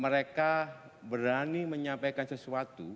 mereka berani menyampaikan sesuatu